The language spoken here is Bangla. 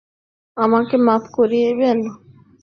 আমাকে মাপ করিবেন।